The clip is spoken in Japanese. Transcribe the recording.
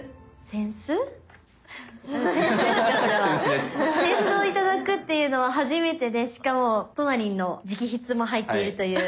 扇子を頂くというのは初めてでしかもトナリンの直筆も入っているという。